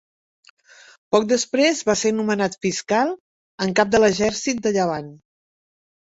Poc després va ser nomenat fiscal en cap de l'exèrcit de Llevant.